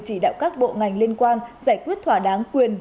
chỉ đạo các bộ ngành liên quan giải quyết thỏa đáng quyền